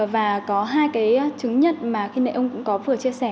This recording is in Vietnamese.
và có hai cái chứng nhận mà khi nãy ông cũng có vừa chia sẻ